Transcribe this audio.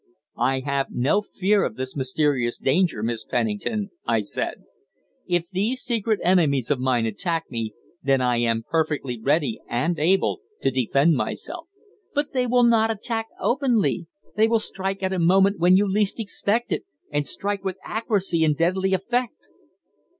"I have no fear of this mysterious danger, Miss Pennington," I said. "If these secret enemies of mine attack me, then I am perfectly ready and able to defend myself." "But they will not attack openly. They will strike at a moment when you least expect it and strike with accuracy and deadly effect."